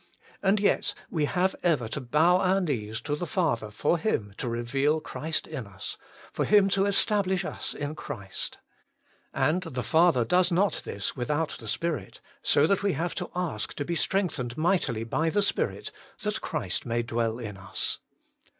And yet we have ever to bow our knees to the Father for Him to reveal Christ in us, for Him to establish us in Christ. And the Father does not this without the Spirit : so that we have to ask to be strengthened mightily by the Spirit, that Christ may dwell in us.